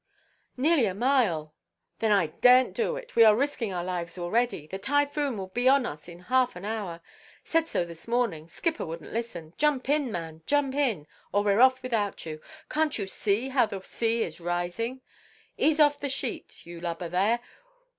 "Nearly a mile." "Then I darenʼt do it. We are risking our lives already. The typhoon will be on us in half an hour. Said so this morning—skipper wouldnʼt listen. Jump in, man, jump in; or weʼre off without you. Canʼt you see how the sea is rising? Ease off the sheet, you lubber there.